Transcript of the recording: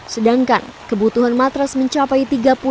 sedangkan kebutuhan matras mencapai tiga puluh